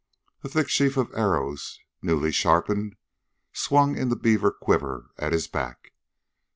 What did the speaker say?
A thick sheaf of arrows, newly sharpened, swung in the beaver quiver at his back.